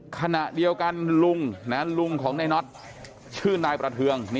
ขณะเดียวกันลุงลุงของในน็อตชื่อนายประเทือง